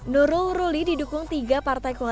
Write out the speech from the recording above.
nurul ruli didukung tiga partai koalisi